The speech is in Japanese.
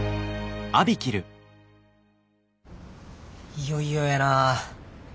いよいよやな。